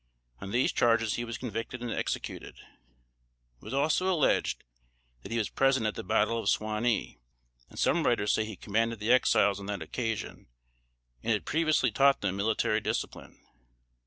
On these charges he was convicted and executed. It was also alleged, that he was present at the battle of Suwanee; and some writers say he commanded the Exiles on that occasion, and had previously taught them military discipline.